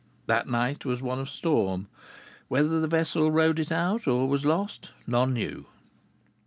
That night was one of storm. Whether the vessel rode it out, or was lost, none knew.